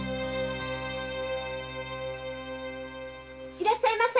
いらっしゃいませ。